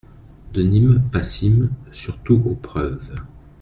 de Nîmes passim, surtout aux preuves.